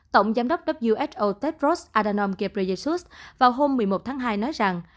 tổng giám đốc who tedros adhanom ghebreyesus vào hôm một mươi một tháng hai nói rằng